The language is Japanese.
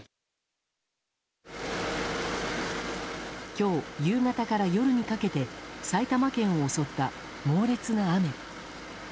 今日夕方から夜にかけて埼玉県を襲った猛烈な雨。